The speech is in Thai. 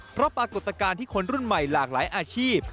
เพราะปรากฏการณ์ที่คนรุ่นใหม่หลากหลายอาชีพ